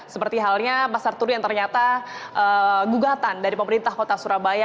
seperti halnya pasar turi yang ternyata gugatan dari pemerintah kota surabaya